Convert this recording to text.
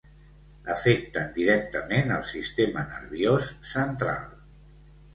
Afecten directament al sistema nerviós central.